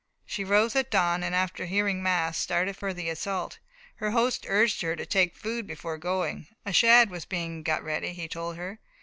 She rose at dawn, and after hearing mass, started for the assault. Her host urged her to take food before going; a shad was being got ready, he told her.